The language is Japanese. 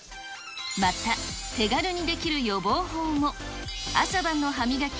また、手軽にできる予防法も。